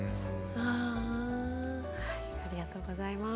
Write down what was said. はあはいありがとうございます。